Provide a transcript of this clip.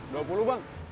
dua puluh bang